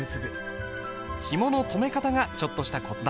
ひもの留め方がちょっとしたコツだ。